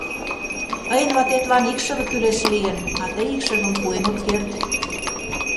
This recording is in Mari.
Тыйын ватетлан икшыве кӱлеш лийын, а тый икшывым пуэн от керт.